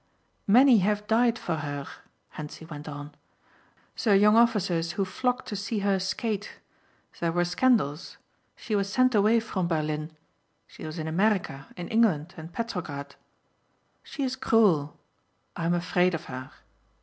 "Many have died for her," Hentzi went on, "the young officers who flocked to see her skate. There were scandals. She was sent away from Berlin. She was in America, in England and Petrograd. She is cruel. I am afraid of her."